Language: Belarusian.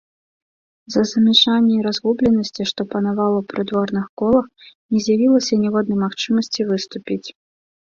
З-за замяшання і разгубленасці, што панавала ў прыдворных колах, не з'явілася ніводнай магчымасці выступіць.